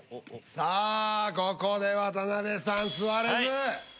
さあここで渡辺さん座れず。